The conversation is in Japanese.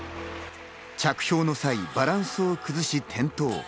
着氷の際、バランスを崩し転倒。